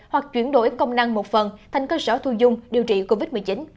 hoặc chuyển đổi công năng một phần thành cơ sở thu dung điều trị covid một mươi chín